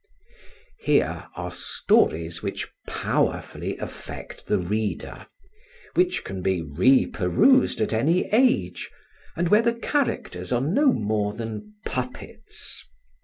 Here are stories which powerfully affect the reader, which can be reperused at any age, and where the characters are no more than puppets.